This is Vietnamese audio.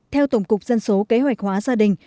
theo tổng cục dân số kế hoạch hóa gia đình